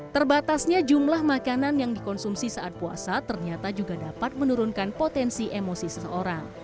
terbatasnya jumlah makanan yang dikonsumsi saat puasa ternyata juga dapat menurunkan potensi emosi seseorang